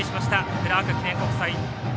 クラーク記念国際。